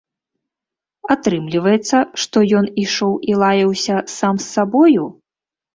Атрымліваецца, што ён ішоў і лаяўся сам з сабою?